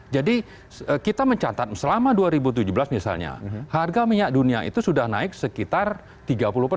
jadi kita mencatat selama dua ribu tujuh belas misalnya harga minyak dunia itu sudah naik sekitar tiga lima miliar dolar